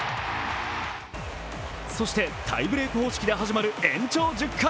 そして、タイブレーク方式で始まる延長１０回。